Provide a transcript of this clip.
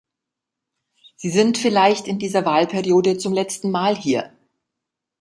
Sie sind vielleicht in dieser Wahlperiode zum letzten Mal hier.